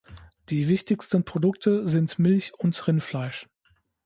Die wichtigsten Produkte sind Milch und Rindfleisch.